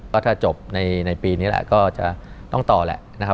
ก็ถ้าจบในปีนี้แหละก็จะต้องต่อแหละนะครับ